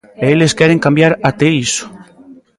E eles queren cambiar até iso.